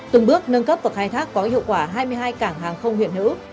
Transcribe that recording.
từng bước nâng cấp và khai thác có hiệu quả hai mươi hai cảng hàng không hiện hữu